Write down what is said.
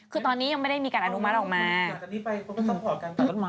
คือตอนนี้ยังไม่ได้มีการอนุมัติออกมา